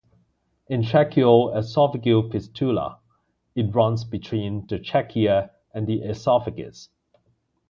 In tracheo-esophageal fistula it runs between the trachea and the esophagus.